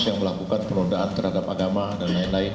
yang melakukan penodaan terhadap agama dan lain lain